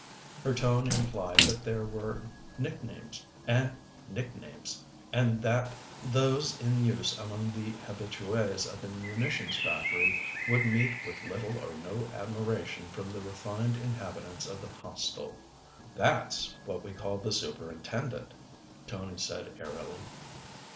Her tone implied that there were nick names and nicknames, and that those in use amongst the habituées of the munitions factory would meet with little or no admiration from the refined inhabitants of the Hostel. "That's what we call the Superintendent," Tony said airily.